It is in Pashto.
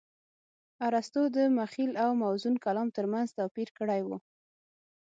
ارستو د مخيل او موزون کلام ترمنځ توپير کړى و.